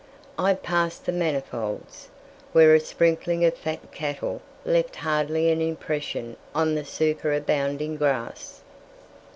I passed the Manifolds', where a sprinkling of fat cattle left hardly an impression on the superabounding grass.